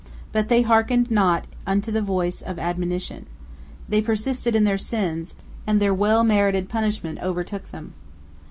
But they hearkened not unto the voice of admonition. They persisted in their sins, and their well merited punishment overtook them.